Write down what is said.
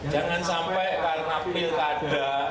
jangan sampai karena pilkada